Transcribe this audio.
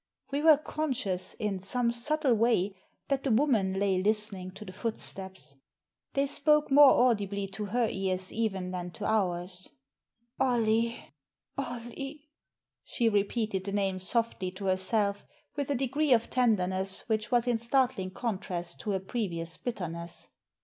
We were conscious, in some subtle way, that the woman lay listening to the footsteps. They spoke more audibly to her ears even than to ours. ''OlHe! Ollie!" she repeated the name softly to herself, with a degree of tenderness which was in startling contrast to her previous bitterness.